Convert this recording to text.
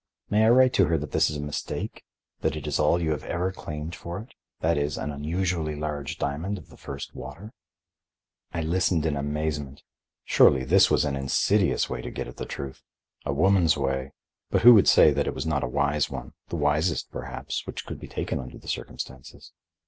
May I write to her that this is a mistake, that it is all you have ever claimed for it—that is, an unusually large diamond of the first water?" I listened in amazement. Surely, this was an insidious way to get at the truth,—a woman's way, but who would say it was not a wise one, the wisest, perhaps, which could be taken under the circumstances?